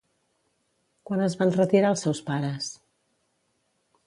Quan es van retirar els seus pares?